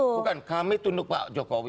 bukan kami tunduk pak jokowi